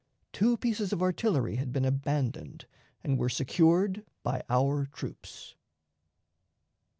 Two pieces of artillery had been abandoned and were secured by our troops.